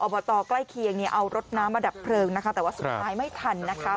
อบตใกล้เคียงเอารถน้ำมาดับเพลิงแต่ว่าสุดท้ายไม่ทัน